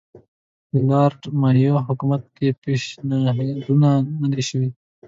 د لارډ مایو حکومت کې پېشنهادونه نه دي شوي.